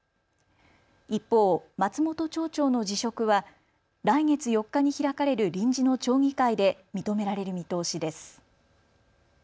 一方、松本町長の辞職は来月４日に開かれる臨時の町議会で認められる見通しです。